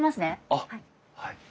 あっはい。